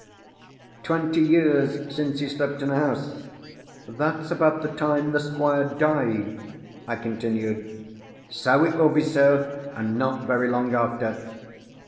"Twenty years since he slept in a house? That's about the time the Squire died," I continued. "So it will be, sir; and not very long after."